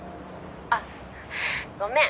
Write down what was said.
「あっごめん。